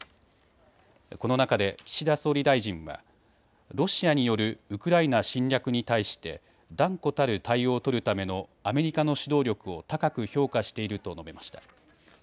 この中で岸田総理大臣はロシアによるウクライナ侵略に対して断固たる対応を取るためのアメリカの指導力を高く評価していると述べました。